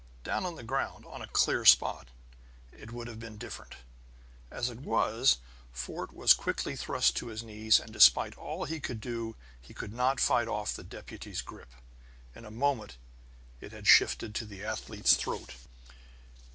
Down on the ground, on a clear spot, it would have been different. As it was, Fort was quickly thrust to his knees, and, despite all that he could do, he could not fight off the deputy's grip. In a moment it had shifted to the athlete's throat.